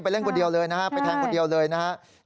เล่นคนเดียวเลยนะฮะไปแทงคนเดียวเลยนะครับ